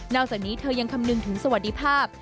จากนี้เธอยังคำนึงถึงสวัสดิภาพ